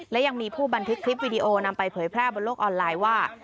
และยังมีผู้บันทึกคลิปวิดีโอนำไปเผยแพร่บนโลกออนไลน์ว่า